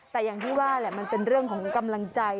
แต่อย่างที่ว่าแหละมันเป็นเรื่องของกำลังใจ